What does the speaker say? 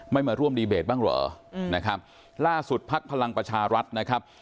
มาร่วมดีเบตบ้างเหรอนะครับล่าสุดภักดิ์พลังประชารัฐนะครับ